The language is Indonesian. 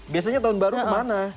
biasanya tahun baru kemana